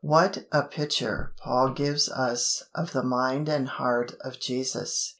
What a picture Paul gives us of the mind and heart of Jesus!